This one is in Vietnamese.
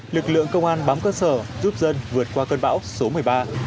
lực lượng công an bám cơ sở giúp dân vượt qua cơn bão số một mươi ba